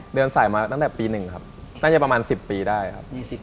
เดินสายมาตั้งแต่ปี๑ครับน่าจะประมาณ๑๐ปีได้ครับ